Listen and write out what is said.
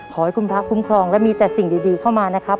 ขอให้คุณพระคุ้มครองและมีแต่สิ่งดีเข้ามานะครับ